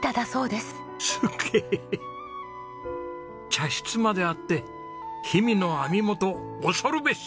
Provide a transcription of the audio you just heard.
茶室まであって氷見の網元恐るべし！